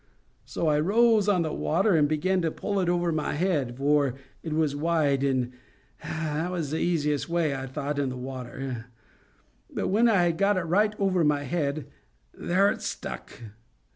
So I rose on the water, and began to pull it over my head—for it was wide, and that was the easiest way, I thought, in the water. But when I had got it right over my head, there it stuck.